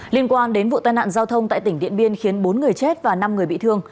liên quan đến vụ tai nạn giao thông tại tỉnh điện biên khiến bốn người chết và năm người bị thương